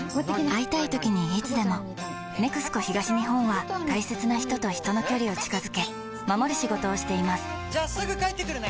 会いたいときにいつでも「ＮＥＸＣＯ東日本」は大切な人と人の距離を近づけ守る仕事をしていますじゃあすぐ帰ってくるね！